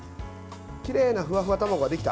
きれいなふわふわ卵ができた。